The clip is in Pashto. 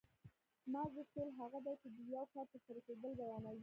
ماضي فعل هغه دی چې د یو کار تر سره کېدل بیانوي.